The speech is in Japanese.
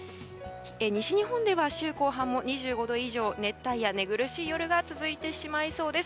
西日本では週後半も２５度以上の熱帯夜、寝苦しい夜が続いてしまいそうです。